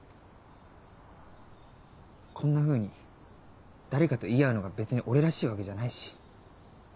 こんなふうに誰かと言い合うのが別に俺らしいわけじゃないし。